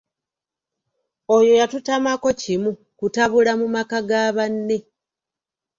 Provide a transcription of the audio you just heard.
Oyo yatutamako kimu kutabula mu maka ga banne.